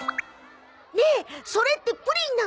ねえそれってプリンなの？